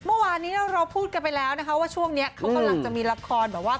เมื่อวานนี้เราพูดกันไปแล้วนะคะว่าช่วงนี้เขากำลังจะมีละครแบบว่า